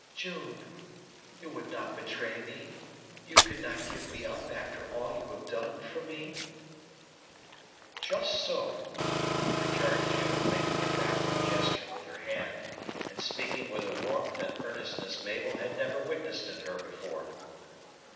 "June! you would not betray me you could not give me up after all you have done for me?" "Just so," returned June, making a backward gesture with her hand, and speaking with a warmth and earnestness Mabel had never witnessed in her before.